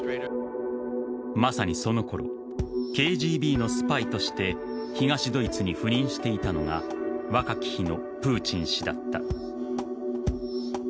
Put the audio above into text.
まさにその頃ＫＧＢのスパイとして東ドイツに赴任していたのが若き日のプーチン氏だった。